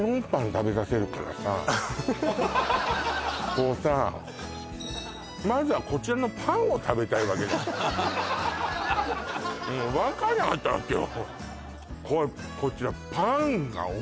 こうさまずはこちらのパンを食べたいわけじゃんもう分かんなかったわけよ